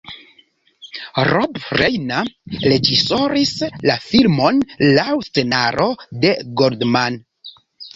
Rob Reiner reĝisoris la filmon laŭ scenaro de Goldman.